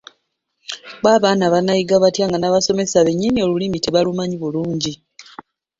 Bbo abaana banaayiga batya nga n’ab'abasomesa bennyini Olulimi tebalumanyi bulungi.